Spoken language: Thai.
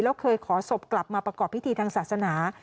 แล้วเคยขอศพกลับมาประกอบพิธีทางศาสนา